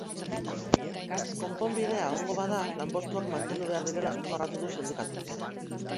Konponbidea egongo bada, lanpostuak mantendu behar direla azpimarratu du sindikatuak.